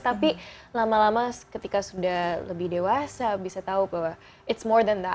tapi lama lama ketika sudah lebih dewasa bisa tahu bahwa itu lebih dari itu